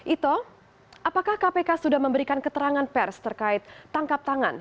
ito apakah kpk sudah memberikan keterangan pers terkait tangkap tangan